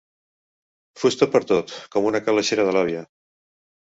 Fusta pertot, com una calaixera de l'àvia.